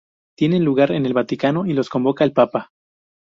Tienen lugar en el Vaticano y los convoca el papa.